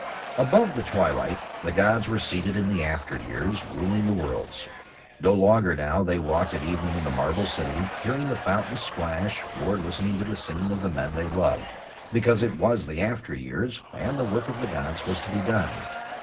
Above the Twilight the gods were seated in the after years, ruling the worlds. No longer now They walked at evening in the Marble City hearing the fountains splash, or listening to the singing of the men they loved, because it was in the after years and the work of the gods was to be done.